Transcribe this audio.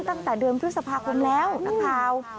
ตั้งแต่เดิมพฤษภาคมแล้วนะครับ